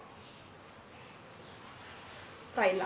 แล้วบอกว่าไม่รู้นะ